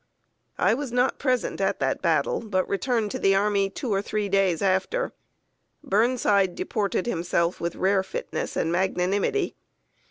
I was not present at the battle, but returned to the army two or three days after. Burnside deported himself with rare fitness and magnanimity.